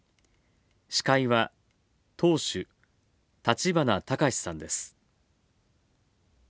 司会は、党首立花孝志さんです。